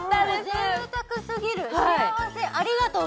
もう贅沢すぎる幸せありがとう